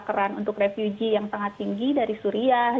keran untuk refugee yang sangat tinggi dari suriah